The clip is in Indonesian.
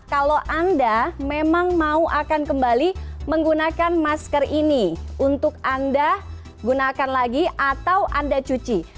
kalau anda memang mau akan kembali menggunakan masker ini untuk anda gunakan lagi atau anda cuci